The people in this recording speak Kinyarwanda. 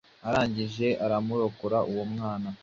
Arangije aramurokora uwo mwana